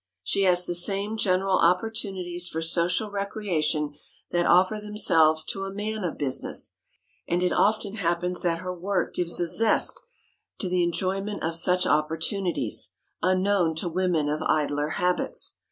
She has the same general opportunities for social recreation that offer themselves to a man of business, and it often happens that her work gives a zest to the enjoyment of such opportunities, unknown to women of idler habits.